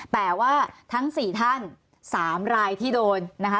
แปลว่าทั้ง๔ท่าน๓รายที่โดน